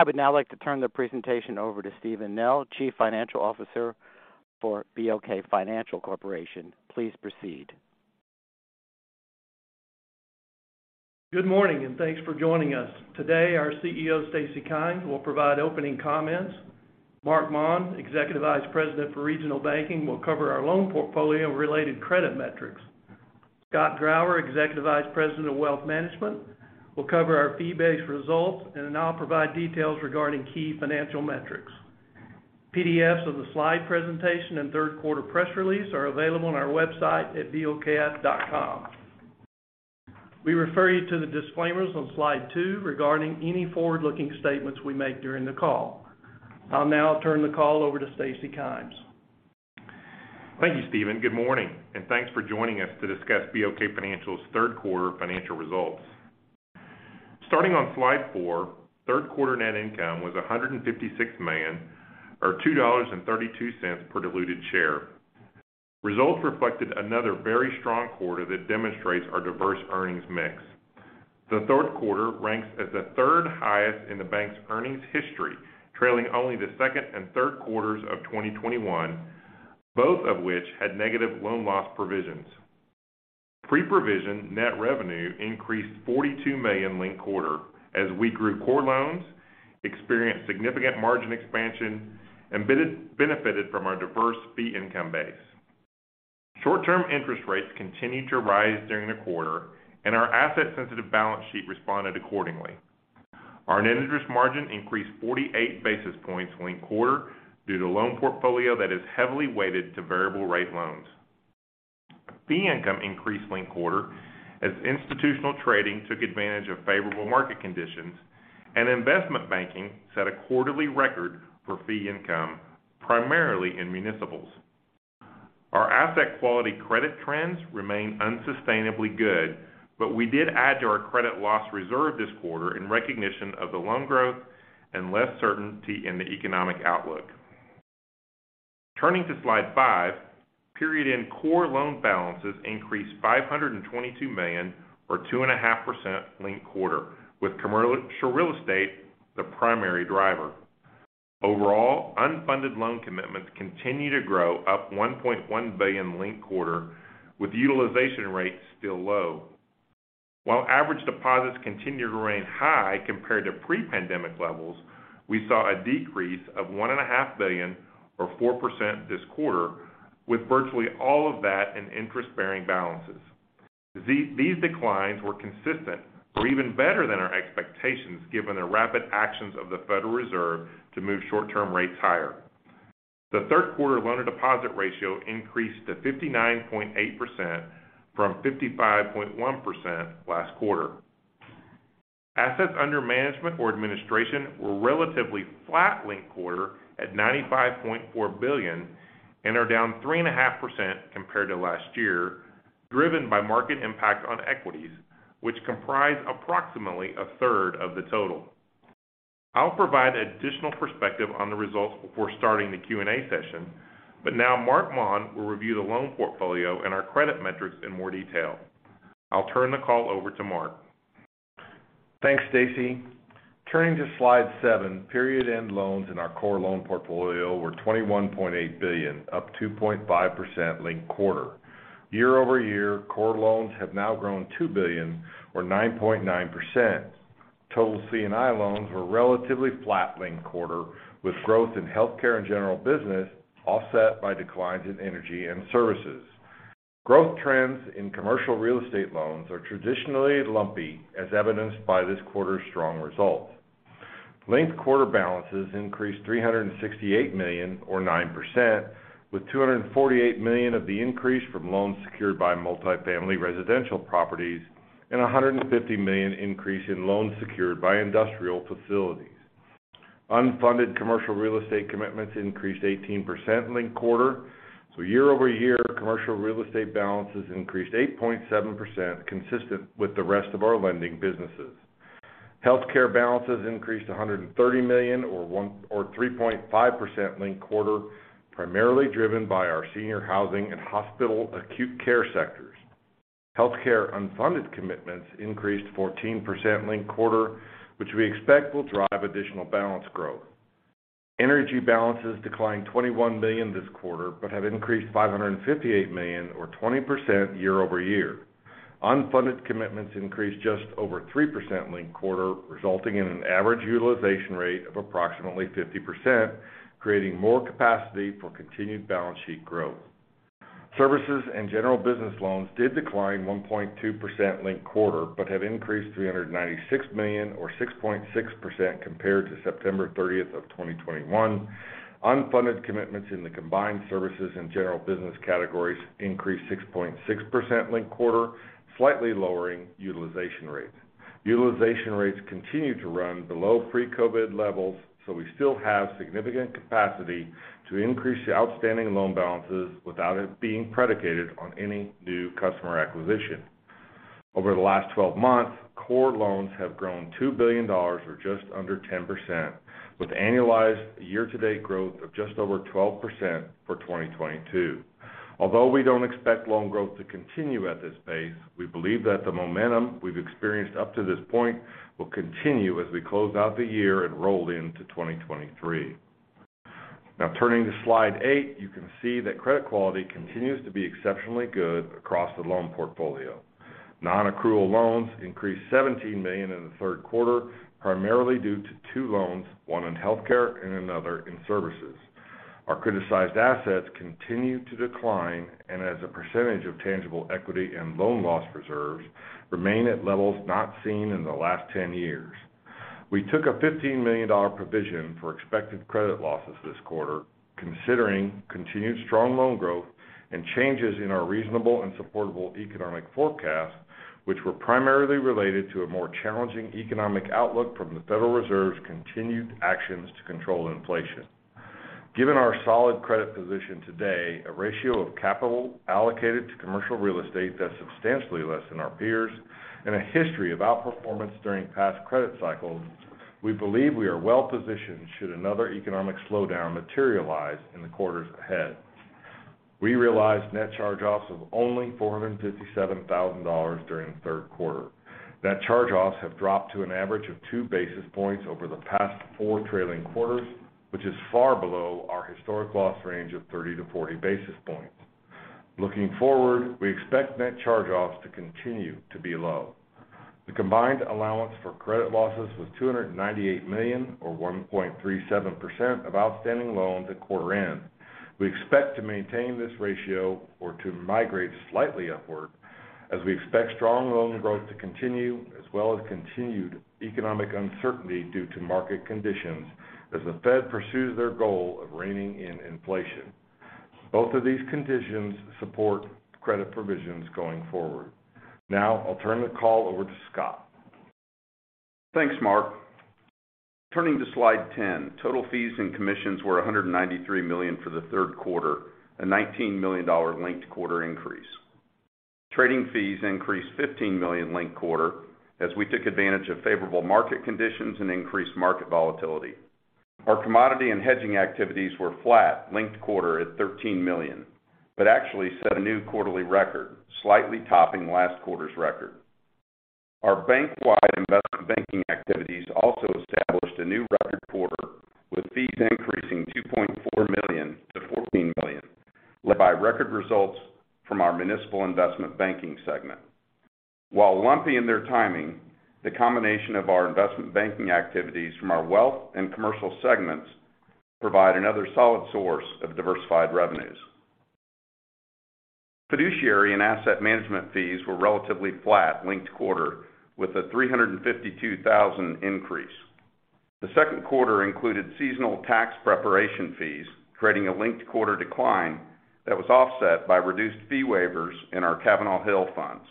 I would now like to turn the presentation over to Steven Nell, Chief Financial Officer for BOK Financial Corporation. Please proceed. Good morning, and thanks for joining us. Today, our CEO, Stacy Kymes, will provide opening comments. Marc Maun, Executive Vice President for Regional Banking, will cover our loan portfolio related credit metrics. Scott Grauer, Executive Vice President of Wealth Management, will cover our fee-based results, and then I'll provide details regarding key financial metrics. PDFs of the slide presentation and Q3 press release are available on our website at bokf.com. We refer you to the disclaimers on slide two regarding any forward-looking statements we make during the call. I'll now turn the call over to Stacy Kymes. Thank you, Steven. Good morning, and thanks for joining us to discuss BOK Financial's Q3 financial results. Starting on slide four, Q3 net income was $156 million, or $2.32 per diluted share. Results reflected another very strong quarter that demonstrates our diverse earnings mix. The Q3 ranks as the third highest in the bank's earnings history, trailing only the Q2 and Q3 of 2021, both of which had negative loan loss provisions. Pre-provision net revenue increased $42 million linked quarter as we grew core loans, experienced significant margin expansion, and benefited from our diverse fee income base. Short-term interest rates continued to rise during the quarter, and our asset-sensitive balance sheet responded accordingly. Our net interest margin increased 48 basis points linked quarter due to loan portfolio that is heavily weighted to variable rate loans. Fee income increased linked quarter as institutional trading took advantage of favorable market conditions and investment banking set a quarterly record for fee income, primarily in municipals. Our asset quality credit trends remain unsustainably good, but we did add to our credit loss reserve this quarter in recognition of the loan growth and less certainty in the economic outlook. Turning to slide five, period-end core loan balances increased $522 million or 2.5% linked quarter with commercial real estate the primary driver. Overall, unfunded loan commitments continue to grow up $1.1 billion linked quarter with utilization rates still low. While average deposits continue to remain high compared to pre-pandemic levels, we saw a decrease of $1.5 billion or 4% this quarter, with virtually all of that in interest-bearing balances. These declines were consistent or even better than our expectations, given the rapid actions of the Federal Reserve to move short-term rates higher. The third quarter loan to deposit ratio increased to 59.8% from 55.1% last quarter. Assets under management or administration were relatively flat linked quarter at $95.4 billion and are down 3.5% compared to last year, driven by market impact on equities, which comprise approximately 1/3 of the total. I'll provide additional perspective on the results before starting the Q&A session, but now Marc Maun will review the loan portfolio and our credit metrics in more detail. I'll turn the call over to Marc. Thanks, Stacy. Turning to slide seven, period-end loans in our core loan portfolio were $21.8 billion, up 2.5% linked-quarter. Year-over-year, core loans have now grown $2 billion or 9.9%. Total C&I loans were relatively flat linked-quarter, with growth in healthcare and general business offset by declines in energy and services. Growth trends in commercial real estate loans are traditionally lumpy, as evidenced by this quarter's strong results. Linked-quarter balances increased $368 million or 9%, with $248 million of the increase from loans secured by multi-family residential properties and $150 million increase in loans secured by industrial facilities. Unfunded commercial real estate commitments increased 18% linked-quarter. Year-over-year, commercial real estate balances increased 8.7%, consistent with the rest of our lending businesses. Healthcare balances increased $130 million or 3.5% linked-quarter, primarily driven by our senior housing and hospital acute care sectors. Healthcare unfunded commitments increased 14% linked-quarter, which we expect will drive additional balance growth. Energy balances declined $21 million this quarter, but have increased $558 million or 20% year-over-year. Unfunded commitments increased just over 3% linked-quarter, resulting in an average utilization rate of approximately 50%, creating more capacity for continued balance sheet growth. Services and general business loans did decline 1.2% linked-quarter, but have increased $396 million or 6.6% compared to 30 September 2021. Unfunded commitments in the combined services and general business categories increased 6.6% linked-quarter, slightly lowering utilization rates. Utilization rates continue to run below pre-COVID levels, so we still have significant capacity to increase the outstanding loan balances without it being predicated on any new customer acquisition. Over the last 12 months, core loans have grown $2 billion or just under 10%, with annualized year-to-date growth of just over 12% for 2022. Although we don't expect loan growth to continue at this pace, we believe that the momentum we've experienced up to this point will continue as we close out the year and roll into 2023. Now turning to Slide eight, you can see that credit quality continues to be exceptionally good across the loan portfolio. Nonaccrual loans increased $17 million in the Q3, primarily due to two loans, one in healthcare and another in services. Our criticized assets continue to decline, and as a percentage of tangible equity and loan loss reserves remain at levels not seen in the last 10 years. We took a $15 million provision for expected credit losses this quarter, considering continued strong loan growth and changes in our reasonable and supportable economic forecast, which were primarily related to a more challenging economic outlook from the Federal Reserve's continued actions to control inflation. Given our solid credit position today, a ratio of capital allocated to commercial real estate that's substantially less than our peers', and a history of outperformance during past credit cycles, we believe we are well-positioned should another economic slowdown materialize in the quarters ahead. We realized net charge-offs of only $457,000 during the Q3. Net charge-offs have dropped to an average of 2 basis points over the past four trailing quarters, which is far below our historic loss range of 30 basis points-40 basis points. Looking forward, we expect net charge-offs to continue to be low. The combined allowance for credit losses was $298 million, or 1.37% of outstanding loans at quarter end. We expect to maintain this ratio or to migrate slightly upward as we expect strong loan growth to continue, as well as continued economic uncertainty due to market conditions as the Fed pursues their goal of reining in inflation. Both of these conditions support credit provisions going forward. Now I'll turn the call over to Scott. Thanks, Marc. Turning to Slide 10, total fees and commissions were $193 million for the Q3, a $19 million linked-quarter increase. Trading fees increased $15 million linked-quarter as we took advantage of favorable market conditions and increased market volatility. Our commodity and hedging activities were flat linked-quarter at $13 million, but actually set a new quarterly record, slightly topping last quarter's record. Our bank-wide investment banking activities also established a new record quarter, with fees increasing $2.4 million to $14 million, led by record results from our municipal investment banking segment. While lumpy in their timing, the combination of our investment banking activities from our wealth and commercial segments provide another solid source of diversified revenues. Fiduciary and asset management fees were relatively flat linked-quarter with a $352,000 increase. The second quarter included seasonal tax preparation fees, creating a linked-quarter decline that was offset by reduced fee waivers in our Cavanal Hill funds,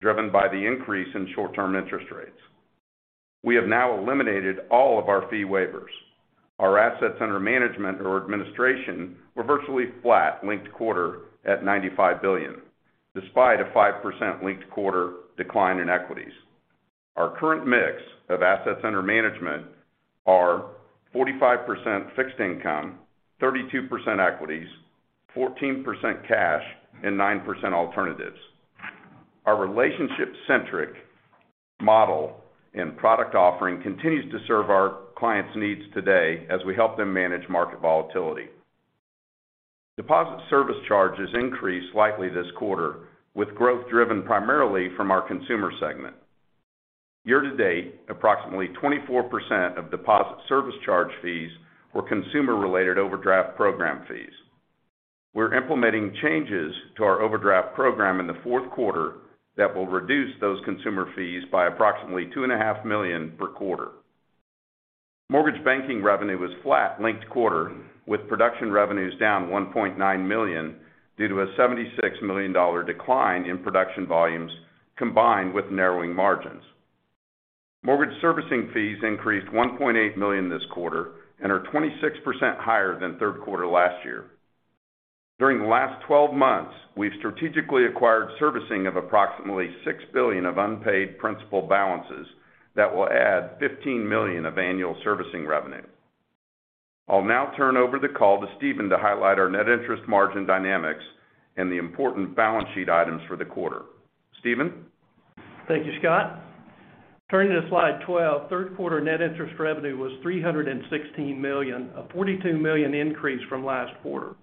driven by the increase in short-term interest rates. We have now eliminated all of our fee waivers. Our assets under management or administration were virtually flat linked-quarter at $95 billion, despite a 5% linked-quarter decline in equities. Our current mix of assets under management are 45% fixed income, 32% equities, 14% cash, and 9% alternatives. Our relationship-centric model and product offering continues to serve our clients' needs today as we help them manage market volatility. Deposit service charges increased slightly this quarter, with growth driven primarily from our consumer segment. Year-to-date, approximately 24% of deposit service charge fees were consumer-related overdraft program fees. We're implementing changes to our overdraft program in the Q4 that will reduce those consumer fees by approximately $2.5 million per quarter. Mortgage banking revenue was flat linked-quarter, with production revenues down $1.9 million due to a $76 million decline in production volumes combined with narrowing margins. Mortgage servicing fees increased $1.8 million this quarter and are 26% higher than Q3 last year. During the last 12 months, we've strategically acquired servicing of approximately $6 billion of unpaid principal balances that will add $15 million of annual servicing revenue. I'll now turn over the call to Steven to highlight our net interest margin dynamics and the important balance sheet items for the quarter. Steven? Thank you, Scott. Turning to Slide 12, Q3 net interest revenue was $316 million, a $42 million increase from last quarter.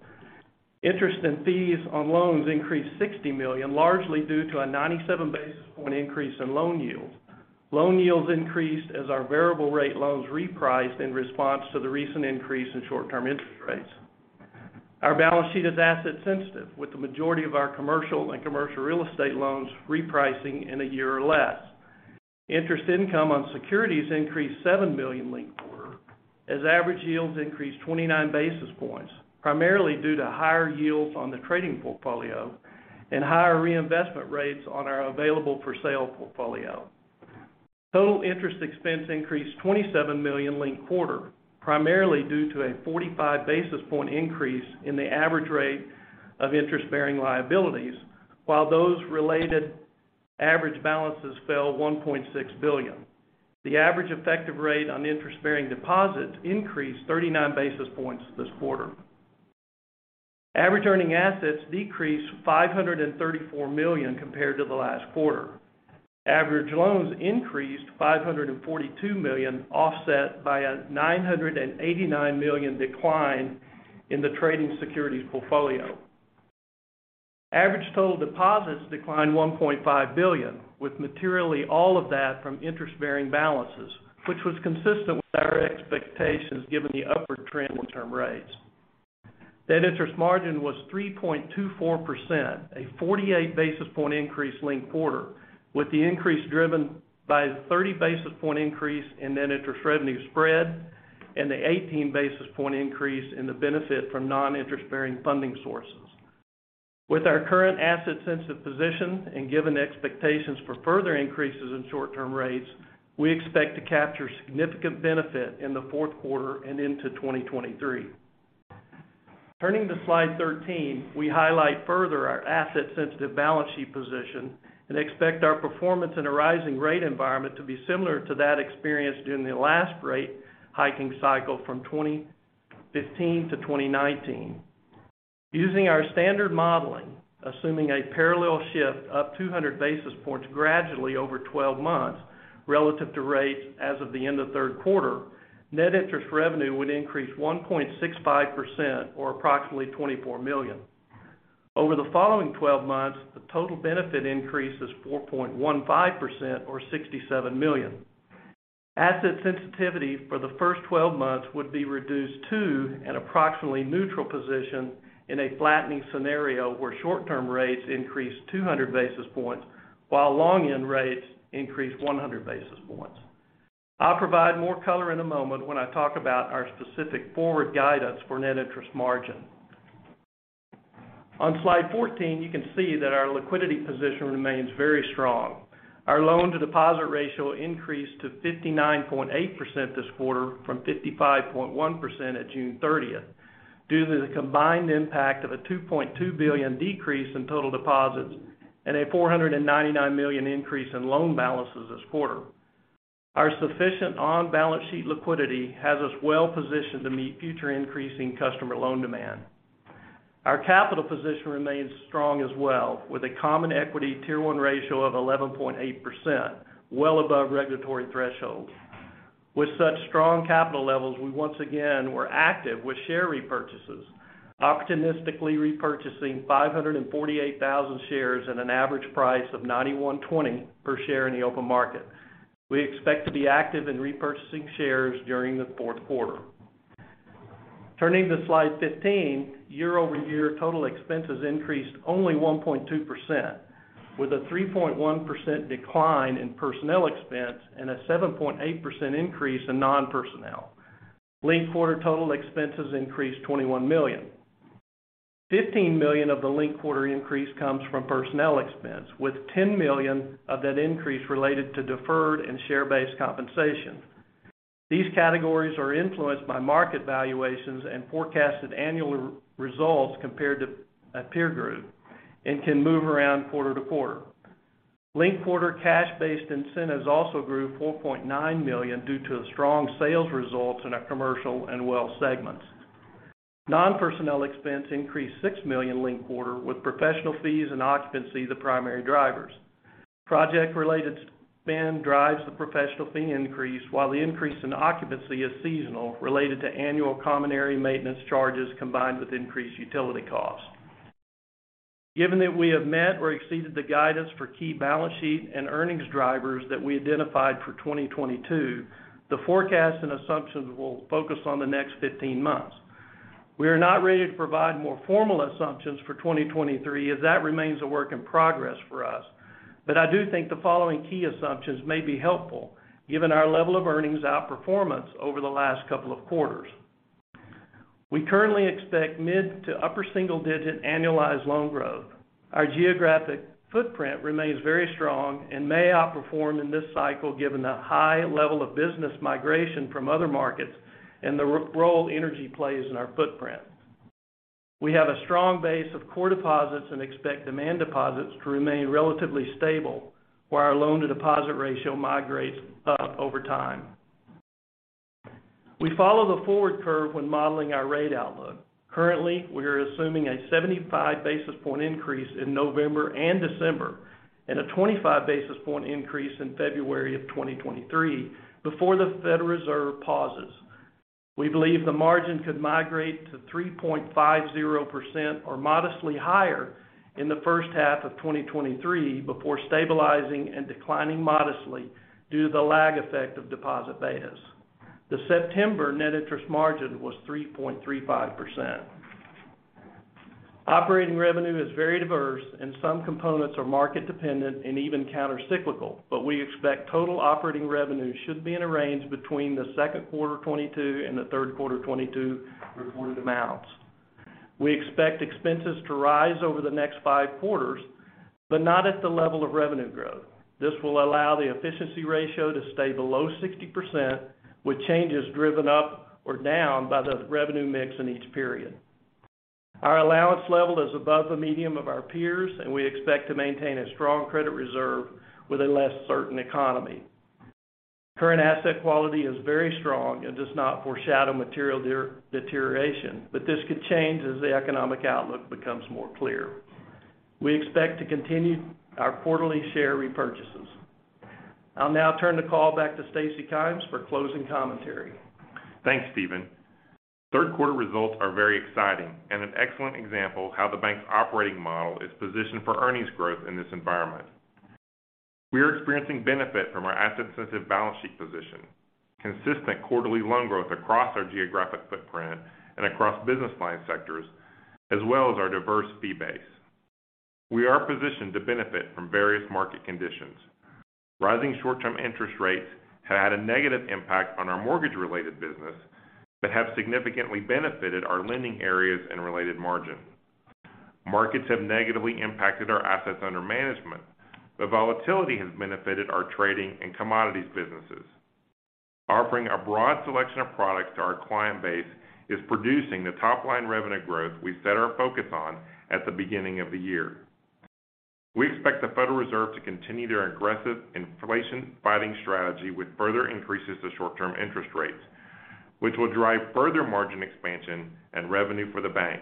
Interest and fees on loans increased $60 million, largely due to a 97 basis point increase in loan yields. Loan yields increased as our variable rate loans repriced in response to the recent increase in short-term interest rates. Our balance sheet is asset sensitive, with the majority of our commercial and commercial real estate loans repricing in a year or less. Interest income on securities increased $7 million linked quarter as average yields increased 29 basis points, primarily due to higher yields on the trading portfolio and higher reinvestment rates on our available-for-sale portfolio. Total interest expense increased $27 million linked quarter, primarily due to a 45 basis point increase in the average rate of interest-bearing liabilities while those related average balances fell $1.6 billion. The average effective rate on interest-bearing deposits increased 39 basis points this quarter. Average earning assets decreased $534 million compared to the last quarter. Average loans increased $542 million, offset by a $989 million decline in the trading securities portfolio. Average total deposits declined $1.5 billion, with materially all of that from interest-bearing balances, which was consistent with our expectations given the upward trend in term rates. Net interest margin was 3.24%, a 48 basis point increase linked-quarter, with the increase driven by the 30 basis point increase in net interest revenue spread and the 18 basis point increase in the benefit from non-interest-bearing funding sources. With our current asset-sensitive position and given the expectations for further increases in short-term rates, we expect to capture significant benefit in the Q4 and into 2023. Turning to slide 13, we highlight further our asset-sensitive balance sheet position and expect our performance in a rising rate environment to be similar to that experienced during the last rate-hiking cycle from 2015 to 2019. Using our standard modeling, assuming a parallel shift up 200 basis points gradually over 12 months relative to rates as of the end of Q3, net interest revenue would increase 1.65% or approximately $24 million. Over the following 12 months, the total benefit increase is 4.15% or $67 million. Asset sensitivity for the first 12 months would be reduced to an approximately neutral position in a flattening scenario where short-term rates increase 200 basis points while long-end rates increase 100 basis points. I'll provide more color in a moment when I talk about our specific forward guidance for net interest margin. On slide 14, you can see that our liquidity position remains very strong. Our loan-to-deposit ratio increased to 59.8% this quarter from 55.1% at 30 June 2022 due to the combined impact of a $2.2 billion decrease in total deposits and a $499 million increase in loan balances this quarter. Our sufficient on-balance sheet liquidity has us well positioned to meet future increasing customer loan demand. Our capital position remains strong as well, with a Common Equity Tier 1 ratio of 11.8%, well above regulatory thresholds. With such strong capital levels, we once again were active with share repurchases, optimistically repurchasing 548,000 shares at an average price of $91.20 per share in the open market. We expect to be active in repurchasing shares during the Q4. Turning to slide 15, year-over-year total expenses increased only 1.2%, with a 3.1% decline in personnel expense and a 7.8% increase in non-personnel. Linked-quarter total expenses increased $21 million. $15 million of the linked-quarter increase comes from personnel expense, with $10 million of that increase related to deferred and share-based compensation. These categories are influenced by market valuations and forecasted annual results compared to a peer group and can move around quarter to quarter. Linked-quarter cash-based incentives also grew $4.9 million due to the strong sales results in our commercial and wealth segments. Non-personnel expense increased $6 million linked-quarter, with professional fees and occupancy the primary drivers. Project-related spend drives the professional fee increase, while the increase in occupancy is seasonal, related to annual common area maintenance charges combined with increased utility costs. Given that we have met or exceeded the guidance for key balance sheet and earnings drivers that we identified for 2022, the forecast and assumptions will focus on the next 15 months. We are not ready to provide more formal assumptions for 2023, as that remains a work in progress for us, but I do think the following key assumptions may be helpful given our level of earnings outperformance over the last couple of quarters. We currently expect mid- to upper single-digit annualized loan growth. Our geographic footprint remains very strong and may outperform in this cycle given the high level of business migration from other markets and the role energy plays in our footprint. We have a strong base of core deposits and expect demand deposits to remain relatively stable, while our loan-to-deposit ratio migrates up over time. We follow the forward curve when modeling our rate outlook. Currently, we are assuming a 75 basis point increase in November and December and a 25 basis point increase in February of 2023 before the Federal Reserve pauses. We believe the margin could migrate to 3.50% or modestly higher in the first half of 2023 before stabilizing and declining modestly due to the lag effect of deposit betas. The September net interest margin was 3.35%. Operating revenue is very diverse and some components are market-dependent and even countercyclical, but we expect total operating revenue should be in a range between the Q2 2022 and the Q3 2022 reported amounts. We expect expenses to rise over the next five quarters, but not at the level of revenue growth. This will allow the efficiency ratio to stay below 60%, with changes driven up or down by the revenue mix in each period. Our allowance level is above the median of our peers, and we expect to maintain a strong credit reserve with a less certain economy. Current asset quality is very strong and does not foreshadow material deterioration, but this could change as the economic outlook becomes more clear. We expect to continue our quarterly share repurchases. I'll now turn the call back to Stacy Kymes for closing commentary. Thanks, Steven. Q3 results are very exciting and an excellent example of how the bank's operating model is positioned for earnings growth in this environment. We are experiencing benefit from our asset-sensitive balance sheet position, consistent quarterly loan growth across our geographic footprint and across business line sectors, as well as our diverse fee base. We are positioned to benefit from various market conditions. Rising short-term interest rates have had a negative impact on our mortgage-related business but have significantly benefited our lending areas and related margin. Markets have negatively impacted our assets under management, but volatility has benefited our trading and commodities businesses. Offering a broad selection of products to our client base is producing the top-line revenue growth we set our focus on at the beginning of the year. We expect the Federal Reserve to continue their aggressive inflation-fighting strategy with further increases to short-term interest rates, which will drive further margin expansion and revenue for the bank.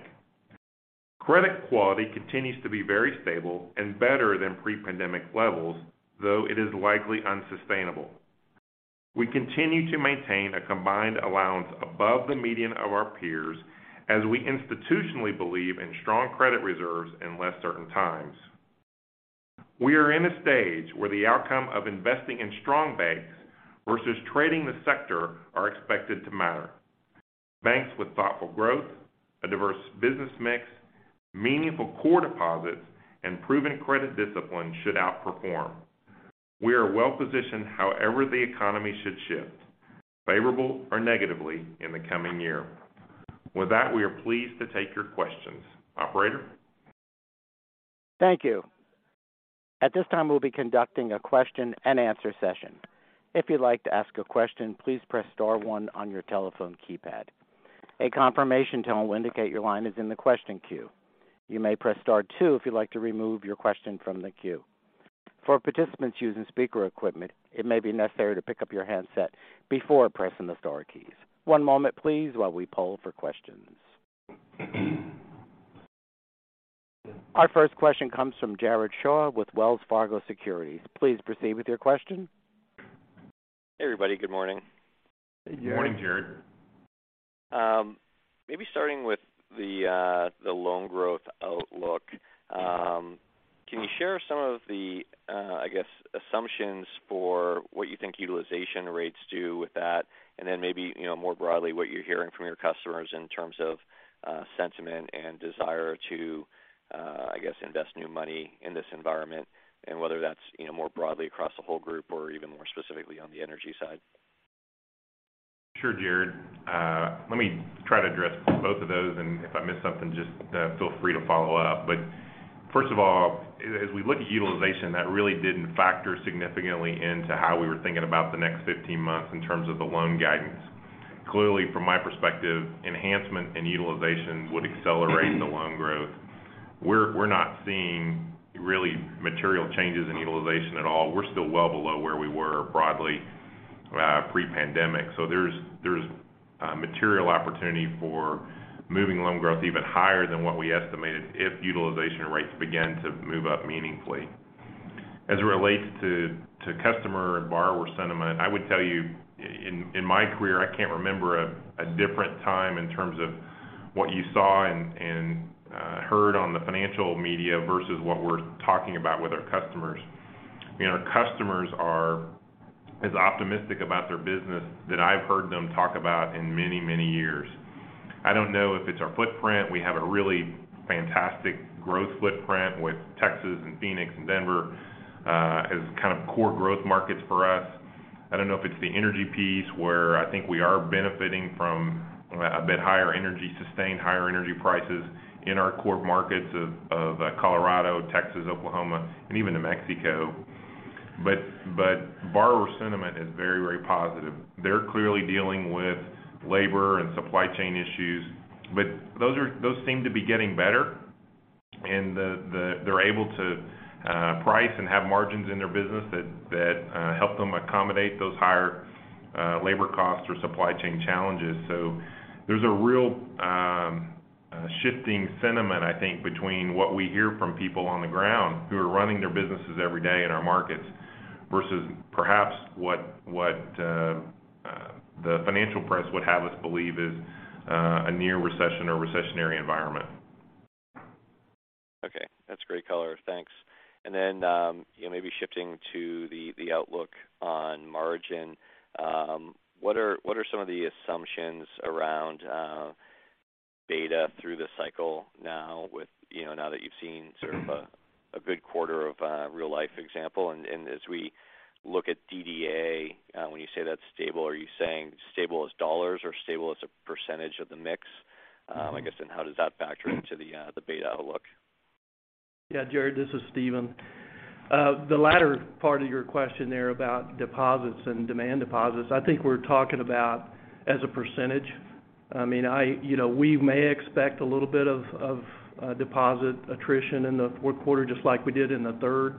Credit quality continues to be very stable and better than pre-pandemic levels, though it is likely unsustainable. We continue to maintain a combined allowance above the median of our peers as we institutionally believe in strong credit reserves in less certain times. We are in a stage where the outcome of investing in strong banks versus trading the sector are expected to matter. Banks with thoughtful growth, a diverse business mix, meaningful core deposits, and proven credit discipline should outperform. We are well-positioned however the economy should shift, favorable or negatively, in the coming year. With that, we are pleased to take your questions. Operator? Thank you. At this time, we'll be conducting a question-and-answer session. If you'd like to ask a question, please press star one on your telephone keypad. A confirmation tone will indicate your line is in the question queue. You may press star two if you'd like to remove your question from the queue. For participants using speaker equipment, it may be necessary to pick up your handset before pressing the star keys. One moment, please, while we poll for questions. Our first question comes from Jared Shaw with Wells Fargo Securities. Please proceed with your question. Hey, everybody. Good morning. Hey, Jared. Good morning, Jared. Maybe starting with the loan growth outlook. Can you share some of the, I guess, assumptions for what you think utilization rates do with that? Then maybe, you know, more broadly, what you're hearing from your customers in terms of sentiment and desire to, I guess, invest new money in this environment, and whether that's, you know, more broadly across the whole group or even more specifically on the energy side? Sure, Jared. Let me try to address both of those, and if I miss something, just feel free to follow up. First of all, as we look at utilization, that really didn't factor significantly into how we were thinking about the next 15 months in terms of the loan guidance. Clearly, from my perspective, enhancement in utilization would accelerate the loan growth. We're not seeing really material changes in utilization at all. We're still well below where we were broadly pre-pandemic. There's material opportunity for moving loan growth even higher than what we estimated if utilization rates begin to move up meaningfully. As it relates to customer and borrower sentiment, I would tell you in my career, I can't remember a different time in terms of what you saw and heard on the financial media versus what we're talking about with our customers. You know, our customers are as optimistic about their business than I've heard them talk about in many, many years. I don't know if it's our footprint. We have a really fantastic growth footprint with Texas and Phoenix and Denver as kind of core growth markets for us. I don't know if it's the energy piece, where I think we are benefiting from a bit higher energy, sustained higher energy prices in our core markets of Colorado, Texas, Oklahoma, and even New Mexico. Borrower sentiment is very, very positive. They're clearly dealing with labor and supply chain issues, but those seem to be getting better. They're able to price and have margins in their business that help them accommodate those higher labor costs or supply chain challenges. There's a real shifting sentiment, I think, between what we hear from people on the ground who are running their businesses every day in our markets versus perhaps what the financial press would have us believe is a near recession or recessionary environment. Okay. That's great color. Thanks. You know, maybe shifting to the outlook on margin. What are some of the assumptions around beta through the cycle now with you know, now that you've seen sort of a good quarter of a real-life example? As we look at DDA, when you say that's stable, are you saying stable as dollars or stable as a percentage of the mix? I guess, and how does that factor into the beta outlook? Yeah, Jared, this is Steven. The latter part of your question there about deposits and demand deposits, I think we're talking about as a percentage. I mean, you know, we may expect a little bit of deposit attrition in the Q4, just like we did in the Q3.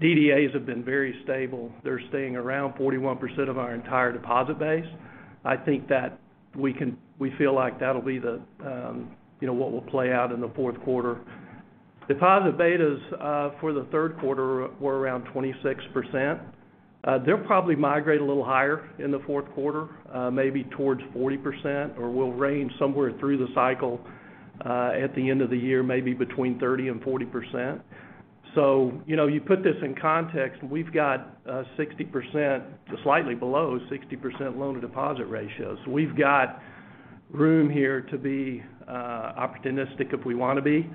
DDAs have been very stable. They're staying around 41% of our entire deposit base. I think that we feel like that'll be the, you know, what will play out in the Q4. Deposit betas for the Q3 were around 26%. They'll probably migrate a little higher in the Q4, maybe towards 40% or will range somewhere through the cycle, at the end of the year, maybe between 30% and 40%. You know, you put this in context, we've got 60%, slightly below 60% loan-to-deposit ratio. We've got room here to be opportunistic if we want to be.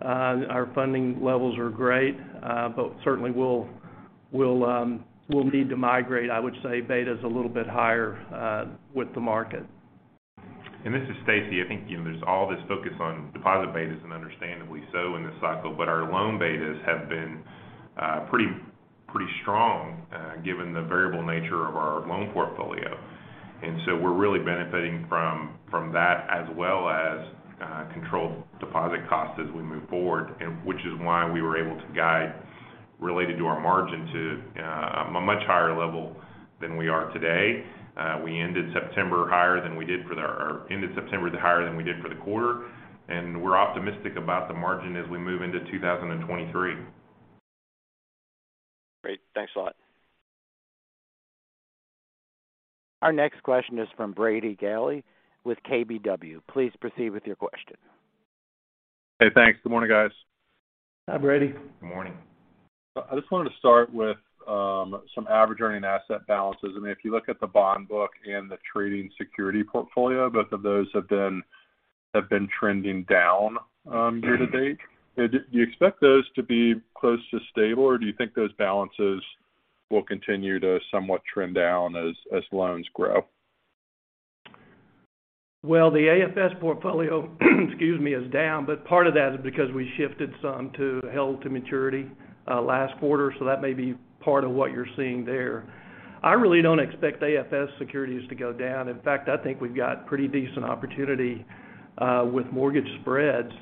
Our funding levels are great, but certainly, we'll need to migrate, I would say, betas a little bit higher with the market. This is Stacy. I think, you know, there's all this focus on deposit betas, and understandably so in this cycle. Our loan betas have been pretty strong given the variable nature of our loan portfolio. We're really benefiting from that as well as controlled deposit costs as we move forward, which is why we were able to guide relative to our margin to a much higher level than we are today. We ended September higher than we did for the quarter, and we're optimistic about the margin as we move into 2023. Great. Thanks a lot. Our next question is from Brady Gailey with KBW. Please proceed with your question. Hey, thanks. Good morning, guys. Hi, Brady. Good morning. I just wanted to start with some average earning asset balances. I mean, if you look at the bond book and the trading security portfolio, both of those have been trending down year to date. Do you expect those to be close to stable, or do you think those balances will continue to somewhat trend down as loans grow? Well, the AFS portfolio, excuse me, is down, but part of that is because we shifted some to held-to-maturity last quarter, so that may be part of what you're seeing there. I really don't expect AFS securities to go down. In fact, I think we've got pretty decent opportunity with mortgage spreads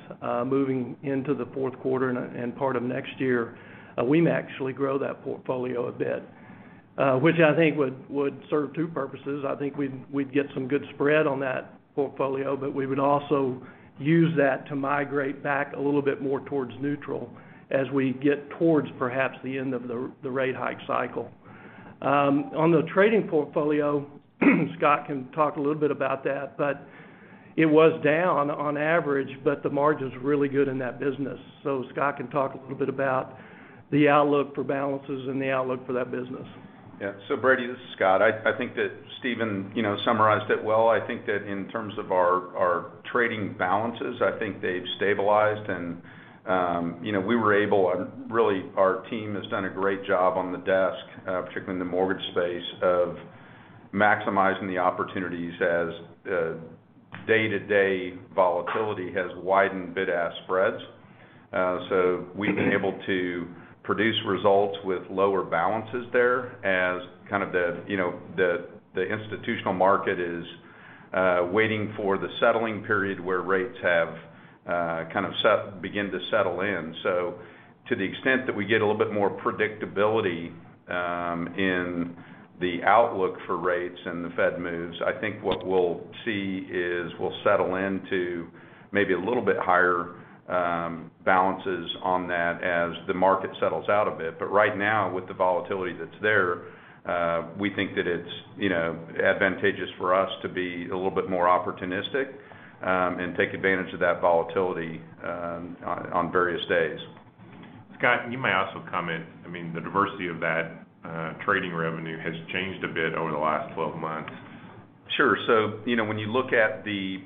moving into the Q4 and part of next year. We may actually grow that portfolio a bit, which I think would serve two purposes. I think we'd get some good spread on that portfolio, but we would also use that to migrate back a little bit more towards neutral as we get towards perhaps the end of the rate hike cycle. On the trading portfolio, Scott can talk a little bit about that, but it was down on average, but the margin's really good in that business. Scott can talk a little bit about the outlook for balances and the outlook for that business. Yeah. Brady, this is Scott. I think that Steven, you know, summarized it well. I think that in terms of our trading balances, I think they've stabilized and, you know, we were able, and really our team has done a great job on the desk, particularly in the mortgage space, of maximizing the opportunities as day-to-day volatility has widened bid-ask spreads. So we've been able to produce results with lower balances there as kind of the, you know, the institutional market is waiting for the settling period where rates have kind of begin to settle in. To the extent that we get a little bit more predictability in the outlook for rates and the Fed moves, I think what we'll see is we'll settle into maybe a little bit higher balances on that as the market settles out a bit. But right now, with the volatility that's there, we think that it's, you know, advantageous for us to be a little bit more opportunistic and take advantage of that volatility on various days. Scott, you may also comment. I mean, the diversity of that trading revenue has changed a bit over the last 12 months. Sure. You know, when you look at the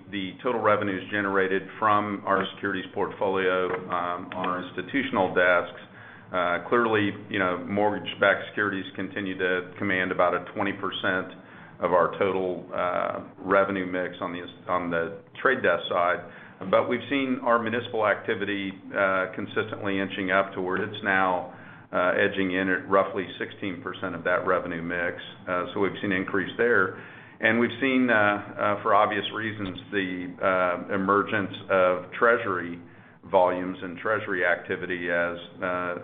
total revenues generated from our securities portfolio, our institutional desks, clearly, you know, mortgage-backed securities continue to command about a 20% of our total revenue mix on the trade desk side. We've seen our municipal activity consistently inching up to where it's now edging in at roughly 16% of that revenue mix. We've seen increase there. We've seen, for obvious reasons, the emergence of Treasury volumes and Treasury activity as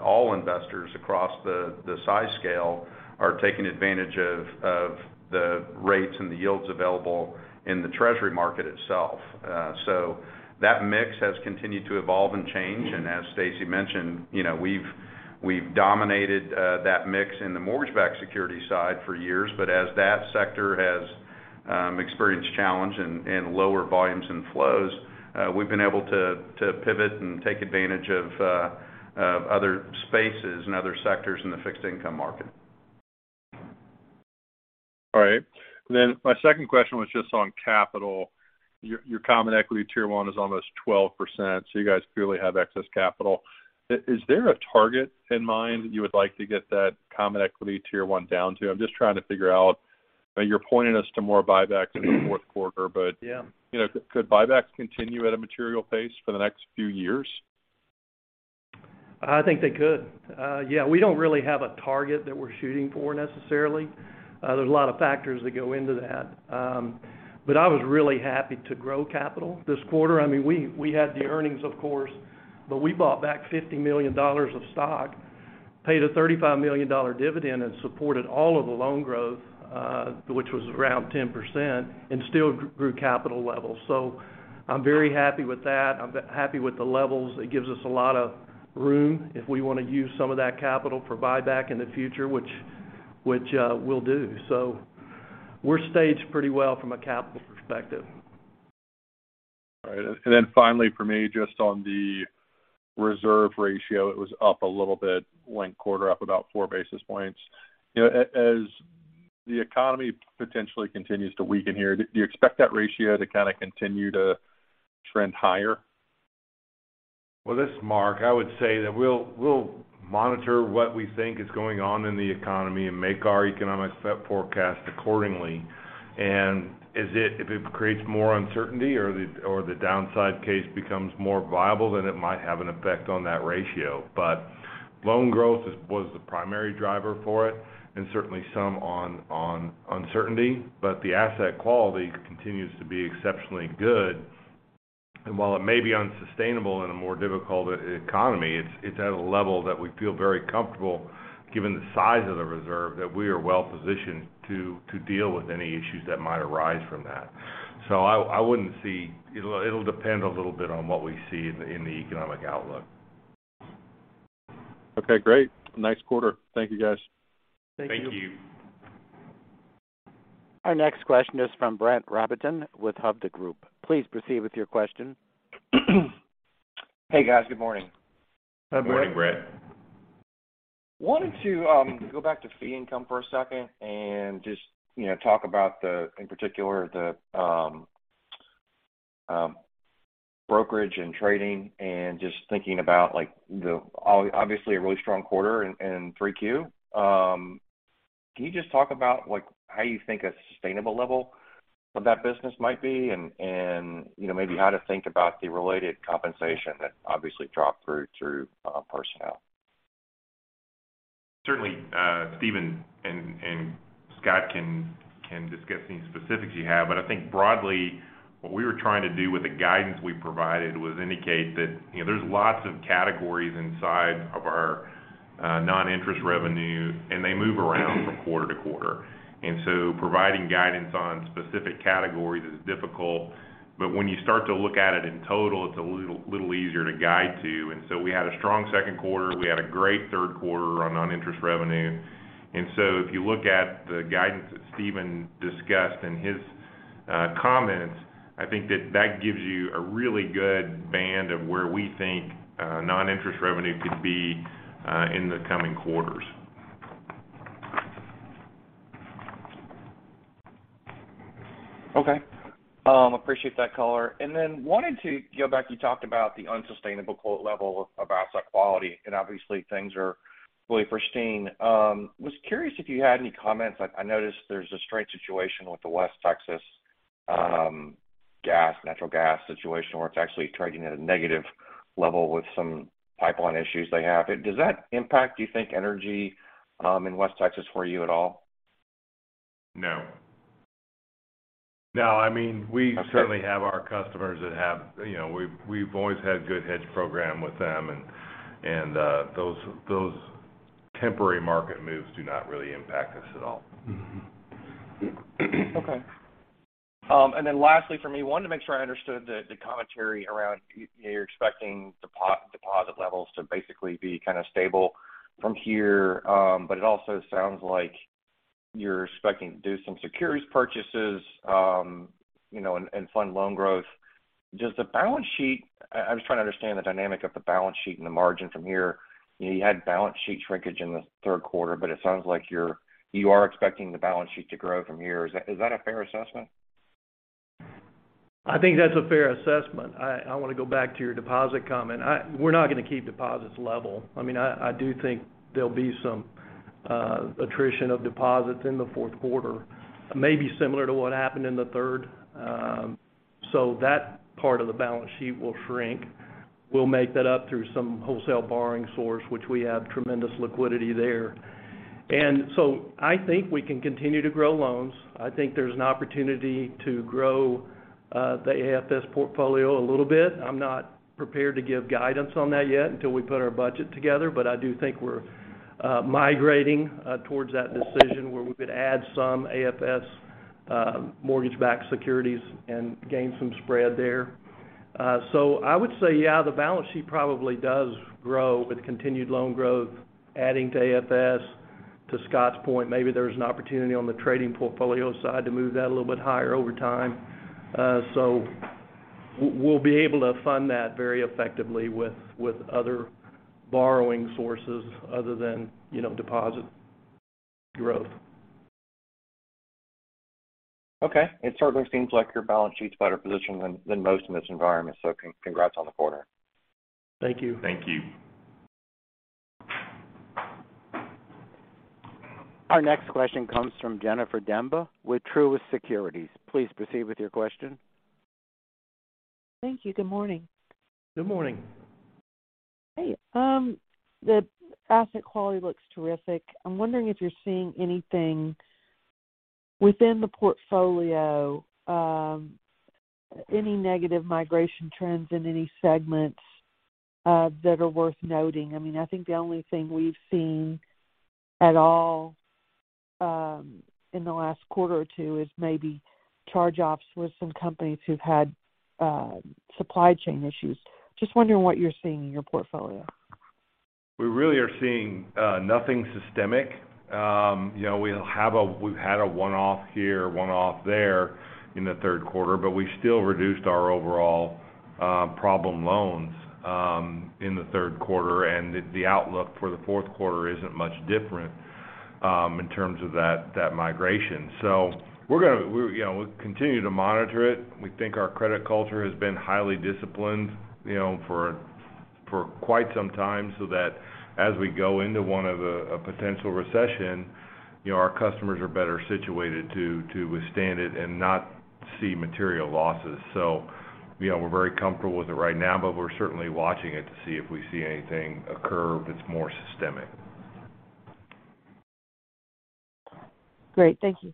all investors across the size scale are taking advantage of the rates and the yields available in the Treasury market itself. That mix has continued to evolve and change. As Stacy mentioned, you know, we've dominated that mix in the mortgage-backed security side for years. As that sector has experienced challenge and lower volumes and flows, we've been able to pivot and take advantage of other spaces and other sectors in the fixed income market. All right. My second question was just on capital. Your common equity Tier 1 is almost 12%, so you guys clearly have excess capital. Is there a target in mind you would like to get that common equity Tier 1 down to? I'm just trying to figure out. You're pointing us to more buybacks in the Q4. Yeah. You know, could buybacks continue at a material pace for the next few years? I think they could. Yeah, we don't really have a target that we're shooting for necessarily. There's a lot of factors that go into that. I was really happy to grow capital this quarter. I mean, we had the earnings, of course, but we bought back $50 million of stock, paid a $35 million dividend, and supported all of the loan growth, which was around 10%, and still grew capital levels. I'm very happy with that. I'm happy with the levels. It gives us a lot of room if we wanna use some of that capital for buyback in the future, which we'll do. We're staged pretty well from a capital perspective. All right. Then finally for me, just on the reserve ratio, it was up a little bit linked-quarter, up about four basis points. You know, as the economy potentially continues to weaken here, do you expect that ratio to kinda continue to trend higher? Well, this is Marc. I would say that we'll monitor what we think is going on in the economy and make our economic forecast accordingly. If it creates more uncertainty or the downside case becomes more viable, then it might have an effect on that ratio. Loan growth was the primary driver for it, and certainly some on uncertainty. The asset quality continues to be exceptionally good. While it may be unsustainable in a more difficult economy, it's at a level that we feel very comfortable given the size of the reserve that we are well positioned to deal with any issues that might arise from that. I wouldn't see. It'll depend a little bit on what we see in the economic outlook. Okay, great. Nice quarter. Thank you, guys. Thank you. Thank you. Our next question is from Brett Rabatin with Hovde Group. Please proceed with your question. Hey, guys. Good morning. Good morning. Good morning, Brent. Wanted to go back to fee income for a second and just, you know, talk about the, in particular the, brokerage and trading, and just thinking about like the obviously, a really strong quarter in Q3. Can you just talk about like how you think a sustainable level of that business might be and, you know, maybe how to think about the related compensation that obviously dropped through to personnel? Certainly, Steven and Scott can discuss any specifics you have. I think broadly, what we were trying to do with the guidance we provided was indicate that, you know, there's lots of categories inside of our non-interest revenue, and they move around from quarter to quarter. Providing guidance on specific categories is difficult, but when you start to look at it in total, it's a little easier to guide to. We had a strong Q2. We had a great Q3 on non-interest revenue. If you look at the guidance that Steven discussed in his comments, I think that gives you a really good band of where we think non-interest revenue could be in the coming quarters. Okay. Appreciate that color. Wanted to go back. You talked about the unsustainable level of asset quality, and obviously things are really pristine. Was curious if you had any comments. I noticed there's a strange situation with the West Texas gas, natural gas situation, where it's actually trading at a negative level with some pipeline issues they have. Does that impact, do you think, energy in West Texas for you at all? No. I mean, we certainly have our customers that have, you know, we've always had good hedge program with them, and those temporary market moves do not really impact us at all. Okay. Lastly for me, wanted to make sure I understood the commentary around, you're expecting deposit levels to basically be kind of stable from here, but it also sounds like you're expecting to do some securities purchases, you know, and fund loan growth. I was trying to understand the dynamic of the balance sheet and the margin from here. You had balance sheet shrinkage in the Q3, but it sounds like you are expecting the balance sheet to grow from here. Is that a fair assessment? I think that's a fair assessment. I wanna go back to your deposit comment. We're not gonna keep deposits level. I mean, I do think there'll be some attrition of deposits in the Q4, maybe similar to what happened in the Q3. That part of the balance sheet will shrink. We'll make that up through some wholesale borrowing source, which we have tremendous liquidity there. I think we can continue to grow loans. I think there's an opportunity to grow the AFS portfolio a little bit. I'm not prepared to give guidance on that yet until we put our budget together, but I do think we're migrating towards that decision where we could add some AFS mortgage-backed securities and gain some spread there. I would say, yeah, the balance sheet probably does grow with continued loan growth, adding to AFS. To Scott's point, maybe there's an opportunity on the trading portfolio side to move that a little bit higher over time. We'll be able to fund that very effectively with other borrowing sources other than, you know, deposit growth. Okay. It certainly seems like your balance sheet's better positioned than most in this environment, so congrats on the quarter. Thank you. Thank you. Our next question comes from Jennifer Demba with Truist Securities. Please proceed with your question. Thank you. Good morning. Good morning. Hey, the asset quality looks terrific. I'm wondering if you're seeing anything within the portfolio, any negative migration trends in any segments, that are worth noting. I mean, I think the only thing we've seen at all, in the last quarter or two is maybe charge-offs with some companies who've had, supply chain issues. Just wondering what you're seeing in your portfolio. We really are seeing nothing systemic. You know, we've had a one-off here, one-off there in the Q3, but we still reduced our overall problem loans in the Q3. The outlook for the Q4 isn't much different in terms of that migration. We're gonna, you know, we'll continue to monitor it. We think our credit culture has been highly disciplined, you know, for quite some time, so that as we go into a potential recession, you know, our customers are better situated to withstand it and not see material losses. You know, we're very comfortable with it right now, but we're certainly watching it to see if we see anything occur that's more systemic. Great. Thank you.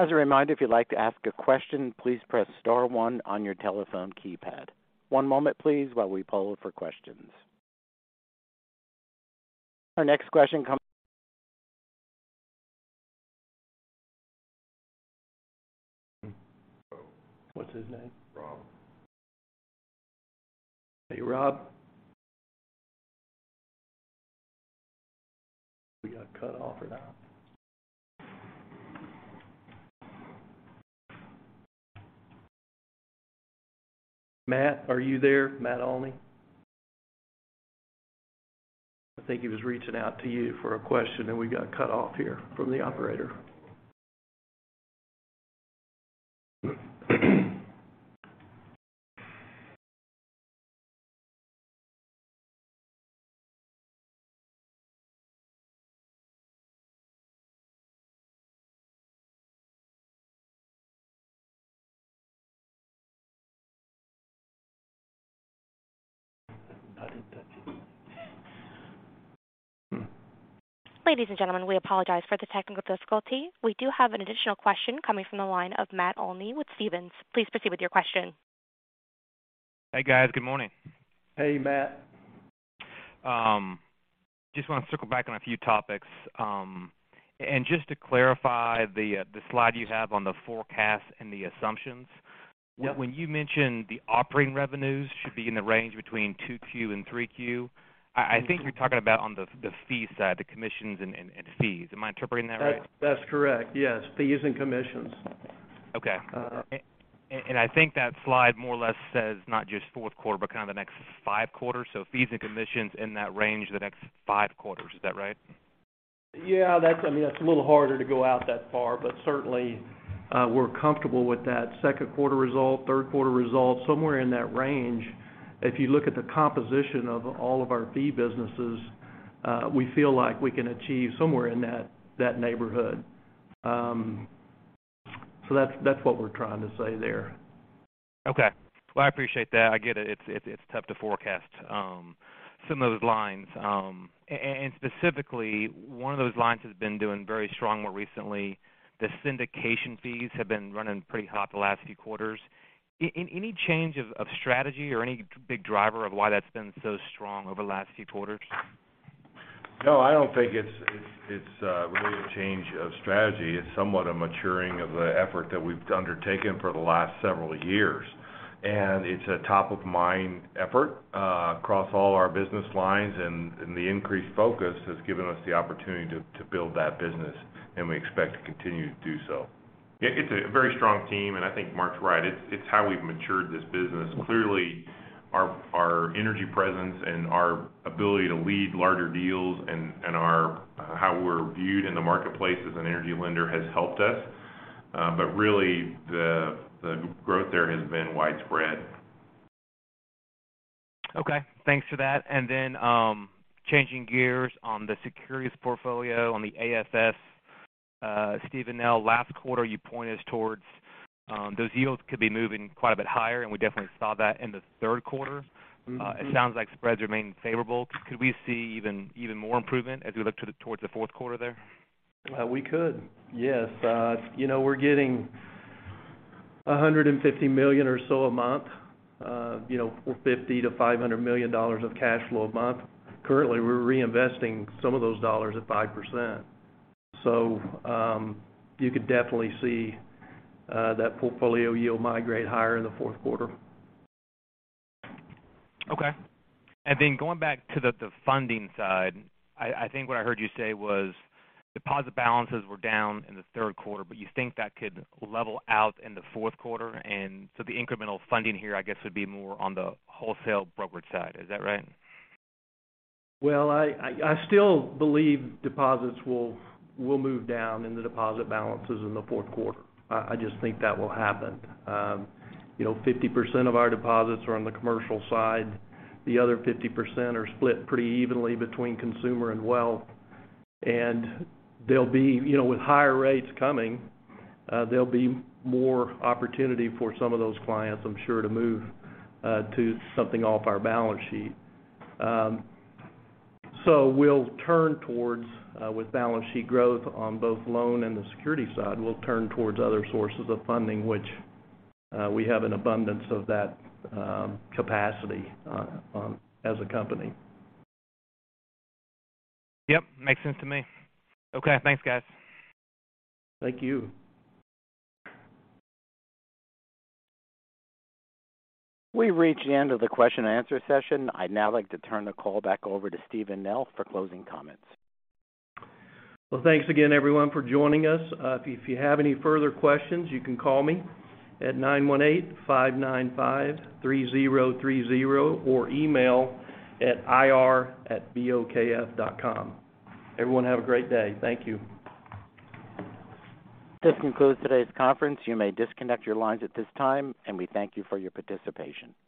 As a reminder, if you'd like to ask a question, please press star one on your telephone keypad. One moment please while we poll for questions. Our next question comes. What's his name? Rob. Hey, Rob. We got cut off or not? Matt, are you there? Matt Olney. I think he was reaching out to you for a question, and we got cut off here from the operator. Ladies and gentlemen, we apologize for the technical difficulty. We do have an additional question coming from the line of Matt Olney with Stephens. Please proceed with your question. Hey, guys. Good morning. Hey, Matt. Just wanna circle back on a few topics. Just to clarify the slide you have on the forecast and the assumptions. Yep. When you mention the operating revenues should be in the range between Q2 and Q3, I think you're talking about on the fee side, the commissions and fees. Am I interpreting that right? That's correct. Yes. Fees and commissions. Okay. Uh. I think that slide more or less says not just Q4, but kind of the next five quarters. Fees and commissions in that range the next five quarters. Is that right? Yeah, that's, I mean, that's a little harder to go out that far. Certainly, we're comfortable with that Q2 result, Q3 result, somewhere in that range. If you look at the composition of all of our fee businesses, we feel like we can achieve somewhere in that neighborhood. That's what we're trying to say there. Okay. Well, I appreciate that. I get it. It's tough to forecast some of those lines. Specifically, one of those lines has been doing very strong more recently. The syndication fees have been running pretty hot the last few quarters. Any change of strategy or any big driver of why that's been so strong over the last few quarters? No, I don't think it's really a change of strategy. It's somewhat a maturing of the effort that we've undertaken for the last several years. It's a top of mind effort across all our business lines. The increased focus has given us the opportunity to build that business, and we expect to continue to do so. It's a very strong team, and I think Marc's right. It's how we've matured this business. Clearly, our energy presence and our ability to lead larger deals and our how we're viewed in the marketplace as an energy lender has helped us. Really the growth there has been widespread. Okay, thanks for that. Changing gears on the securities portfolio on the AFS, Steven Nell, last quarter you pointed towards those yields could be moving quite a bit higher, and we definitely saw that in the Q3. Mm-hmm. It sounds like spreads remain favorable. Could we see even more improvement as we look towards the Q4 there? We could, yes. You know, we're getting $150 million or so a month, you know, or $50 million-$500 million of cash flow a month. Currently, we're reinvesting some of those dollars at 5%. You could definitely see that portfolio yield migrate higher in the Q4. Okay. Going back to the funding side. I think what I heard you say was deposit balances were down in the Q3, but you think that could level out in the Q4. The incremental funding here, I guess, would be more on the wholesale brokerage side. Is that right? Well, I still believe deposits will move down and the deposit balance is in the Q4. I just think that will happen. You know, 50% of our deposits are on the commercial side. The other 50% are split pretty evenly between consumer and wealth. You know, with higher rates coming, there'll be more opportunity for some of those clients, I'm sure, to move to something off our balance sheet. With balance sheet growth on both loan and the security side, we'll turn towards other sources of funding, which we have an abundance of that capacity on as a company. Yep, makes sense to me. Okay, thanks, guys. Thank you. We've reached the end of the question and answer session. I'd now like to turn the call back over to Steven Nell for closing comments. Well, thanks again, everyone, for joining us. If you have any further questions, you can call me at 918-595-3030 or email at ir@bokf.com. Everyone have a great day. Thank you. This concludes today's conference. You may disconnect your lines at this time, and we thank you for your participation.